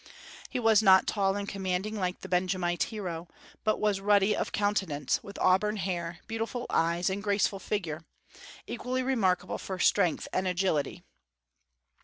He was not tall and commanding like the Benjamite hero, but was ruddy of countenance, with auburn hair, beautiful eyes, and graceful figure, equally remarkable for strength and agility.